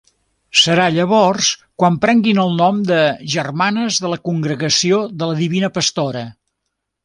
Serà llavors quan prenguin el nom de Germanes de la Congregació de la Divina Pastora.